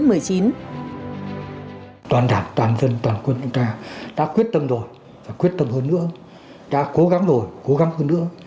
toàn đảng toàn dân toàn quân chúng ta đã quyết tâm rồi và quyết tâm hơn nữa đã cố gắng rồi cố gắng hơn nữa